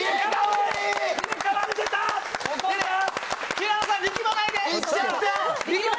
平野さん、力まないで！